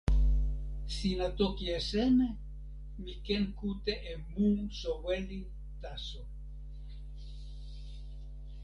sina toki e seme? mi ken kute e mu soweli taso.